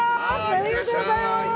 ありがとうございます！